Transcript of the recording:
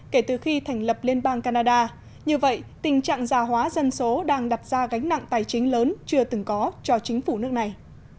kể từ khi thành lập liên bang canada như vậy tình trạng gia hóa dân số đang đặt ra gánh nặng tài chính lớn chưa từng có cho chính phủ nước này